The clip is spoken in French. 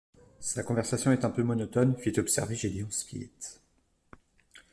Sa conversation est un peu monotone, fit observer Gédéon Spilett.